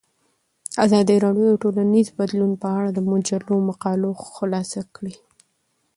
ازادي راډیو د ټولنیز بدلون په اړه د مجلو مقالو خلاصه کړې.